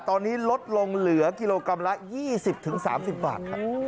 ตอนนี้ลดลงเหลือกิโลกรัมละ๒๐๓๐บาทครับ